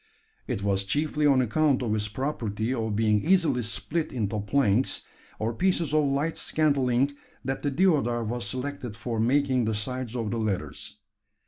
It was chiefly on account of its property of being easily split into planks, or pieces of light scantling, that the deodar was selected for making the sides of the ladders.